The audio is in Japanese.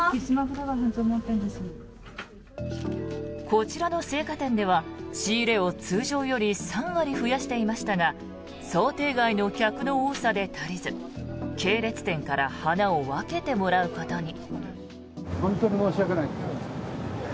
こちらの生花店では、仕入れを通常より３割増やしていましたが想定外の客の多さで足りず系列店から花を分けてもらうことに。